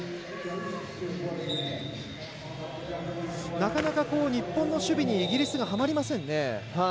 なかなか日本の守備にイギリスがはまりませんね。